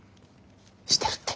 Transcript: してるって。